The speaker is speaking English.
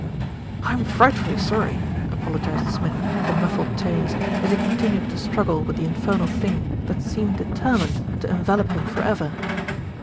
"I'm frightfully sorry," apologised Smith, in muffled tones, as he continued to struggle with the infernal thing that seemed determined to envelop him for ever.